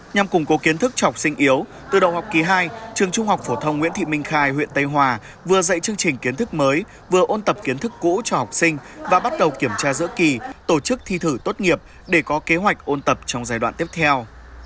nhằm củng cố kiến thức cho học sinh yếu từ đầu học kỳ hai trường trung học phổ thông nguyễn thị minh khai huyện tây hòa vừa dạy chương trình kiến thức mới vừa ôn tập kiến thức cũ cho học sinh và bắt đầu kiểm tra giữa kỳ tổ chức thi thử tốt nghiệp để có kế hoạch ôn tập trong giai đoạn tiếp theo